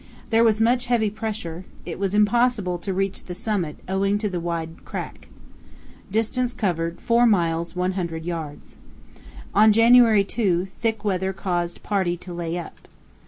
There was much heavy pressure; it was impossible to reach the summit owing to the wide crack. Distance covered 4 miles 100 yds. On January 2 thick weather caused party to lay up.